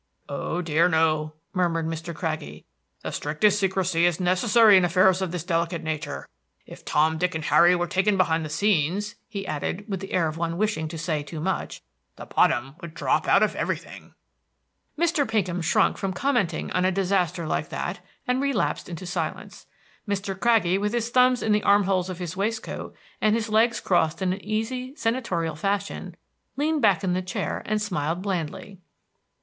"Oh dear, no," murmured Mr. Craggie. "The strictest secrecy is necessary in affairs of this delicate nature. If Tom, Dick, and Harry were taken behind the scenes," he added, with the air of one wishing to say too much, "the bottom would drop out of everything." Mr. Pinkham shrunk from commenting on a disaster like that, and relapsed into silence. Mr. Craggie, with his thumbs in the arm holes of his waistcoat, and his legs crossed in an easy, senatorial fashion, leaned back in the chair and smiled blandly.